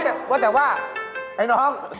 มาเร็วว่าแต่ว่าไอ้น้อง